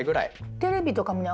テレビとか見ながら。